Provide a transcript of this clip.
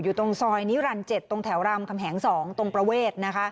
ตรงซอยนิรันดิ๗ตรงแถวรามคำแหง๒ตรงประเวท